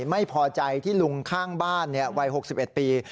ไม่พอใจที่ลุงข้างบ้านวัย๖๑ปี